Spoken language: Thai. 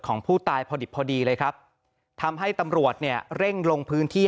ของผู้ตายพอดิบพอดีเลยครับทำให้ตำรวจเนี่ยเร่งลงพื้นที่